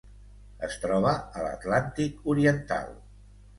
Es troba a l'Atlàntic oriental.